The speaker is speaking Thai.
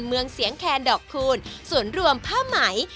เมืองเสียงแคนดอกคูณส่วนรวมผ้าไหม